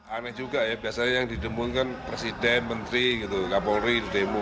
aneh juga ya biasanya yang didemungkan presiden menteri kapolri di demo